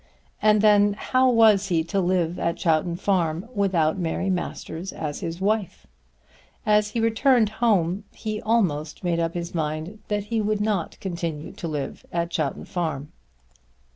And then how was he to live at Chowton Farm without Mary Masters as his wife? As he returned home he almost made up his mind that he would not continue to live at Chowton Farm.